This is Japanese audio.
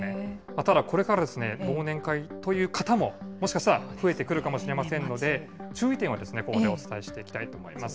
ただ、これから忘年会という方も、もしかしたら増えてくるかもしれませんので、注意点は、ここでお伝えしていきたいと思います。